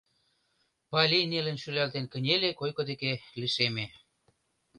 Пали нелын шӱлалтен кынеле, койко деке лишеме.